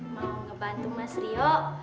mau ngebantu mas rio